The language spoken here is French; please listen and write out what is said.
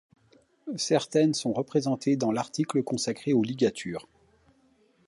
Certaines sont représentées dans l'article consacré aux ligatures.